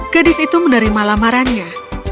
gadis itu menerima lamarannya